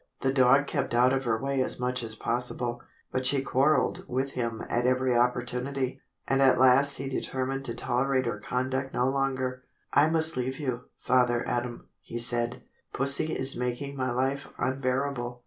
The dog kept out of her way as much as possible, but she quarrelled with him at every opportunity, and at last he determined to tolerate her conduct no longer. "I must leave you, Father Adam," he said. "Pussie is making my life unbearable."